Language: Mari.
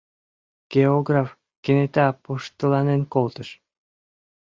Географ кенета пуштыланен колтыш: